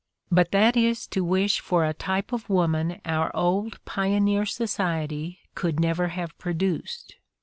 But that is to wish for a type of woman our old pioneer society could never have produced.